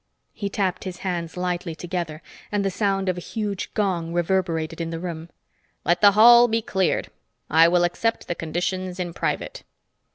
He tapped his hands lightly together and the sound of a huge gong reverberated in the room. "Let the hall be cleared. I will accept the conditions in private."